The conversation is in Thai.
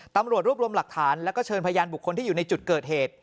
ตำรวจรวบรวมหลักฐานแล้วก็เชิญพยานบุคคลที่อยู่ในจุดเกิดเหตุ